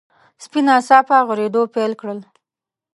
سپي ناڅاپه غريدو پيل کړ.